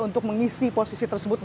untuk mengisi posisi tersebut